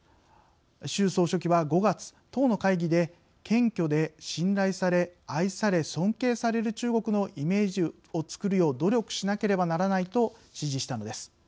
習総書記は、５月、党の会議で「謙虚で、信頼され、愛され尊敬される中国のイメージを作るよう努力しなければならない」と指示したのです。